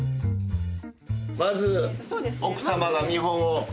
まず奥様が見本を。